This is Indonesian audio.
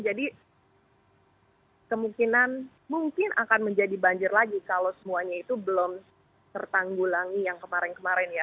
jadi kemungkinan mungkin akan menjadi banjir lagi kalau semuanya itu belum tertanggulangi yang kemarin kemarin ya